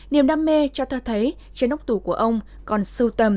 niềm đam mê cho ta thấy trên ốc tủ của ông còn sâu tầm